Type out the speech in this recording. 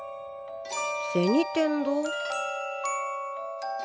銭天堂？